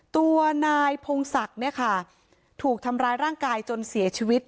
ตัวนายพงศักดิ์เนี่ยค่ะถูกทำร้ายร่างกายจนเสียชีวิต